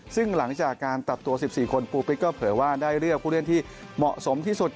ซึ่งหลังจากการตัดตัว๑๔คนปูปิ๊กก็เผยว่าได้เลือกผู้เล่นที่เหมาะสมที่สุด